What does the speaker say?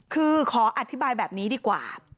คือขออธิบายแบบนี้ดีกว่า